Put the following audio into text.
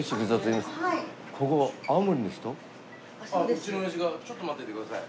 うちのおやじがちょっと待っててください